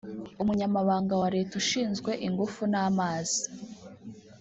Umunyamabanga wa Leta ushinzwe Ingufu n’Amazi